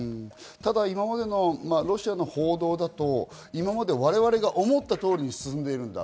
ただ、今までのロシアの報道だと我々が思った通りに進んでいる。